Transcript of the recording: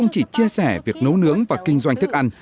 chia sẻ việc nấu nướng và kinh doanh thức ăn